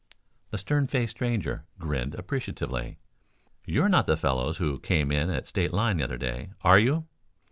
The stern faced stranger grinned appreciatively. "You are not the fellows who came in at State Line the other day, are you?"